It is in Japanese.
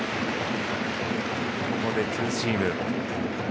ここでツーシーム。